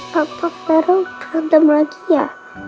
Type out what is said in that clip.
bapak fero berantem lagi ya